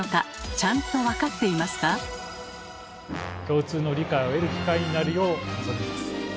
共通の理解を得る機会になるよう望みます。